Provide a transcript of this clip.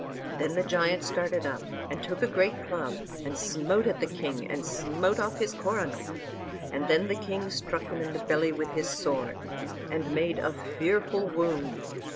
Then the giant started up, and took a great club, and smote at the king, and smote off his coronal; and then the king struck him in the belly with his sword, and made a fearful wound.